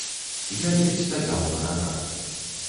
Я ледзь стаяў на нагах.